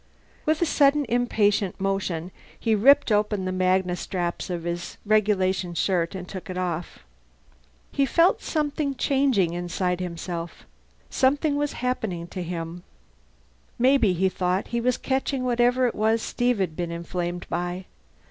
With a sudden impatient motion he ripped open the magnesnaps of his regulation shirt and took it off. He felt himself changing, inside. Something was happening to him. Maybe, he thought, he was catching whatever it was Steve had been inflamed by.